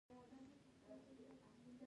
د کابل پغمان باغونه د اروپا د باغونو نمونې دي